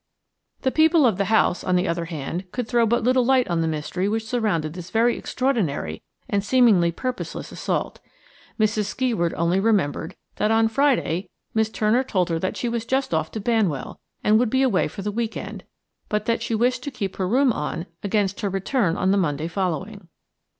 The people of the house, on the other hand, could throw but little light on the mystery which surrounded this very extraordinary and seemingly purposeless assault. Mrs. Skeward only remembered that on Friday Miss Turner told her that she was just off to Banwell, and would be away for the week end; but that she wished to keep her room on, against her return on the Monday following.